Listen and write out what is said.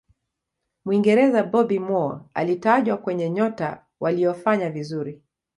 muingereza bobby moore alitajwa kwenye nyota waliyofanya vizuri